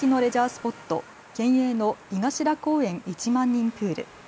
スポット、県営の井頭公園一万人プール。